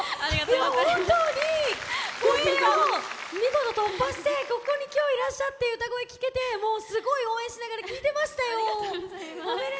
本当に、予選、見事突破して今日、ここにいらっしゃって歌声、聴けてすごい応援してましたよ！